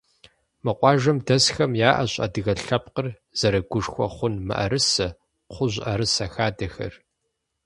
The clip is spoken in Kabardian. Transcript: Мы къуажэм дэсхэм яӏэщ адыгэ лъэпкъыр зэрыгушхуэ хъун мыӏэрысэ, кхъужь ӏэрысэ хадэхэр.